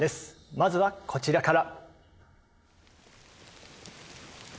まずはこちらから。